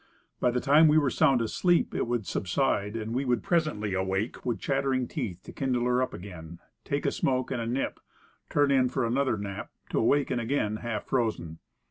By the time we were sound asleep, it would subside; and we would presently awake with chattering teeth to kindle her up again, take a smoke and a nip, turn in for another nap to awaken again half frozen.